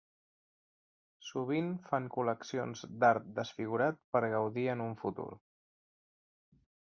Sovint fan col·leccions d'art desfigurat per gaudir en un futur.